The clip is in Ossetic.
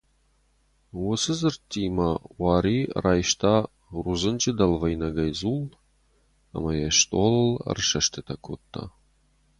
Уыцы дзырдтимӕ Уари райста рудзынджы дӕлвӕйнӕгӕй дзул ӕмӕ йӕ стъолыл ӕрсӕстытӕ кодта.